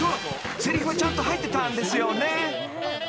せりふはちゃんと入ってたんですよね？］